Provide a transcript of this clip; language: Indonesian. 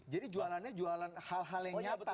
jadi jualannya jualan hal hal yang nyata